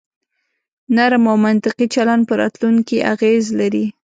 نرم او منطقي چلن په راتلونکي اغیز لري.